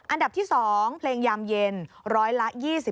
อันดับที่๒เพลงยามเย็นร้อยละ๒๕